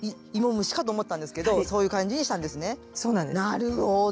なるほど！